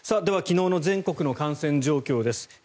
では、昨日の全国の感染状況です。